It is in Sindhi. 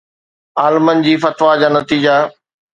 عالمن جي فتويٰ جا نتيجا